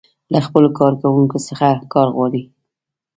له خپلو کارکوونکو څخه کار غواړي.